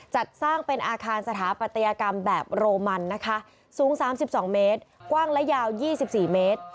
จัดสร้างเป็นอาคารสถาปัตยกรรมแบบโรมันนะคะสูง๓๒เมตรกว้างและยาว๒๔เมตร